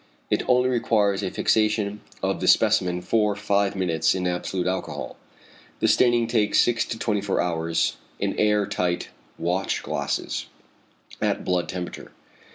It only requires a fixation of the specimen for five minutes in absolute alcohol. The staining takes 6 24 hours (in air tight watch glasses) at blood temperature.